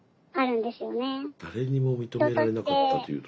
誰にも認められなかったというと？